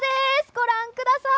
ご覧ください。